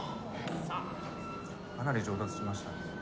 かなり上達しましたね。